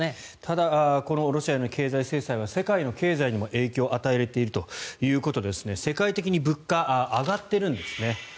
ただこのロシアへの経済制裁は世界の経済にも影響を与えているということで世界的に物価が上がっているんです。